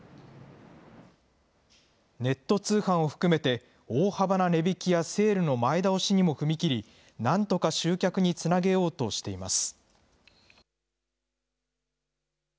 ネット通販を含めて、大幅な値引きやセールの前倒しにも踏み切り、なんとか集客につなげようとしています。